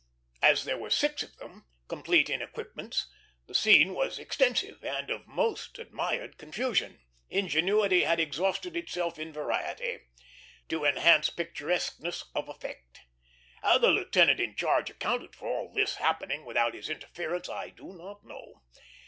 As there were six of them, complete in equipments, the scene was extensive and of most admired confusion; ingenuity had exhausted itself in variety, to enhance picturesqueness of effect. How the lieutenant in charge accounted for all this happening without his interference, I do not know.